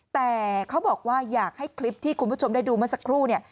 แต่เขาบอกว่าอยากให้คลิปที่คุณผู้ชมได้ดูเมื่อสักครู่เนี่ย